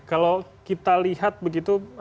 kalau kita lihat begitu